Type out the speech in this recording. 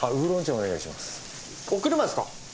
お車ですか？